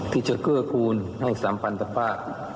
ที่จะเกื้อคูณให้สัมพันธภาพ